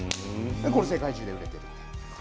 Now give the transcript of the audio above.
これ、世界中で売れています。